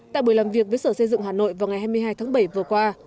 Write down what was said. tại buổi làm việc với sở xây dựng hà nội vào ngày hai mươi hai tháng bảy vừa qua